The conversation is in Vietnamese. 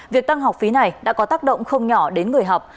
việc tăng học phí này đã có tác động không nhỏ đến người học